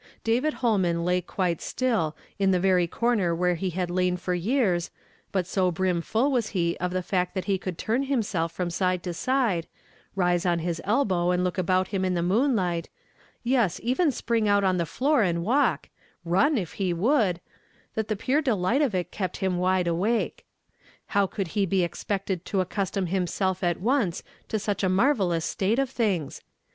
David Holman lay quite still in the very corner where he had lain for years, but so brim full was he of the fact that he could turn himself from side to side, rise on his elbow and look about him in the moonlight, yes, even spring out on the floor and walk, — run, if he would, that the pure de liglit of it kept him wide awake. How could he be expected to accustom himself at once to such a marvellous state of things?